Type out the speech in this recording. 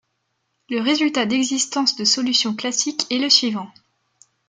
Le résultat d'existence de solution classique est le suivant.